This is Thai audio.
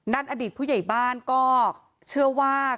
นั่นอดีตผู้ใหญ่บ้านก็เครื่องว่า